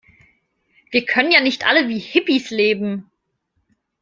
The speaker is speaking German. Wir können ja nicht alle wie Hippies leben.